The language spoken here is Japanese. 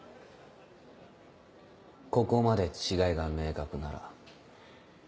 ここまで違いが明確なら。